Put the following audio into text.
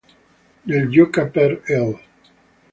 Nel gioca per l'.